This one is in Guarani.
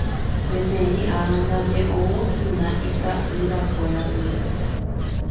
Peteĩ ára ndaje oúhina ita'yrakuéra ndive